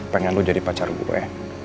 pengen lo jadi pacar gue